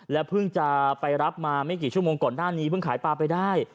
เพิ่งจะไปรับมาไม่กี่ชั่วโมงก่อนหน้านี้เพิ่งขายปลาไปได้